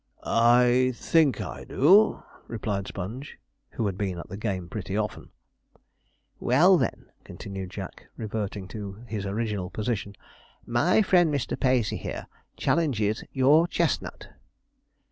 'I think I do,' replied Sponge who had been at the game pretty often. 'Well, then,' continued Jack, reverting to his original position, 'my friend, Mr. Pacey here, challenges your chestnut.'